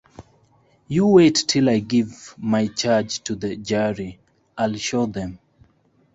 You wait till I give my charge to the jury, I'll show them!